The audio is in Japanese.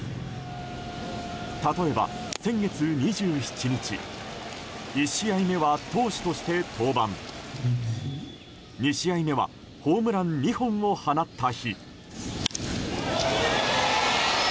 例えば先月２７日１試合目は投手として登板２試合目はホームラン２本を放った日。